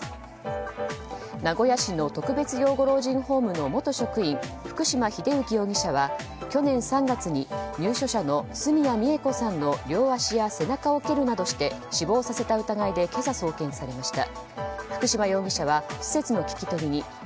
名古屋市の特別養護老人ホームの元職員福島栄行容疑者は去年３月に入所者の角谷三枝子さんの両足や背中を切るなどして死亡させた疑いで今朝、送検されました。